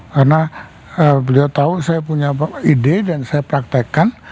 karena beliau tahu saya punya ide dan saya praktekkan